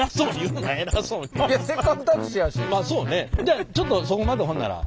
じゃあちょっとそこまでほんなら。